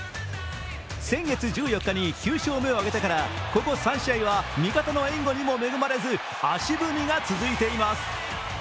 先月１４日に９勝目を挙げてからここ３試合は味方の援護にも恵まれず足踏みが続いています。